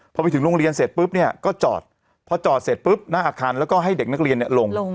พอไปถึงโรงเรียนเสร็จปุ๊บเนี่ยก็จอดพอจอดเสร็จปุ๊บหน้าอาคารแล้วก็ให้เด็กนักเรียนลง